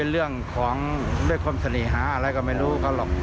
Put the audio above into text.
เรื่องของด้วยความเสน่หาอะไรก็ไม่รู้เขาหรอก